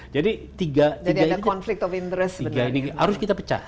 jadi tiga ini jadi ada konflik of interest